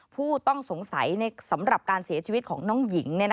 ผู้ต้องสงสัยสำหรับการเสียชีวิตของน้องหญิง